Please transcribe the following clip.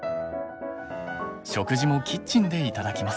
食事もキッチンで頂きます。